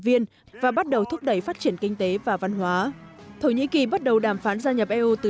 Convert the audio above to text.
viên và bắt đầu thúc đẩy phát triển kinh tế và văn hóa thổ nhĩ kỳ bắt đầu đàm phán gia nhập eu từ